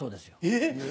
えっ！